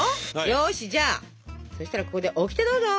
よしじゃあそしたらここでオキテどうぞ！